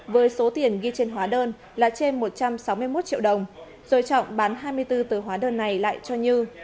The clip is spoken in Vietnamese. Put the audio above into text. với số tiền ghi trên hóa đơn là trên một trăm sáu mươi một triệu đồng rồi trọng bán hai mươi bốn tờ hóa đơn này lại cho như